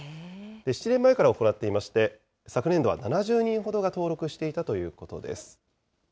７年前から行っていまして、昨年度は７０人ほどが登録していたということです。